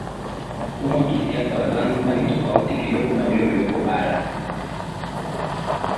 Mfumo wa kisiasa wa Zanzibar ni tofauti kidogo na ule uliopo bara